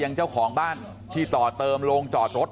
อย่างเจ้าของบ้านที่ต่อเติมลงจอดรถ